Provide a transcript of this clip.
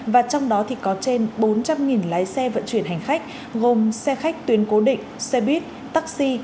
và trong đó thì có trên bốn trăm linh lái xe vận chuyển hành khách gồm xe khách tuyến cố định xe buýt taxi